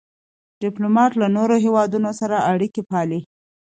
ډيپلومات له نورو هېوادونو سره اړیکي پالي.